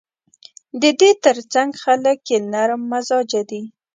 د دې ترڅنګ خلک یې نرم مزاجه دي.